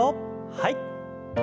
はい。